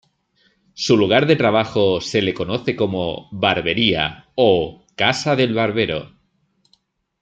Su lugar de trabajo se le conoce como "Barbería" o "Casa del Barbero".